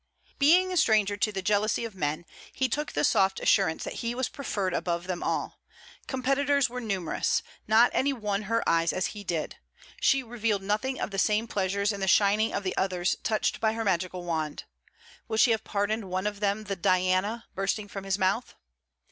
Being a stranger to the jealousy of men, he took the soft assurance that he was preferred above them all. Competitors were numerous: not any won her eyes as he did. She revealed nothing of the same pleasures in the shining of the others touched by her magical wand. Would she have pardoned one of them the 'Diana!' bursting from his mouth?